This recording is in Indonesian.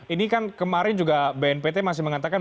ini kan kemarin juga bnpt masih mengatakan